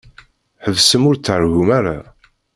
Ḥebsem ur ttargum ara.